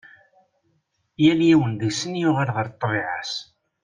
Yal yiwen deg-sen yuɣal ɣer ṭṭbiɛa-s.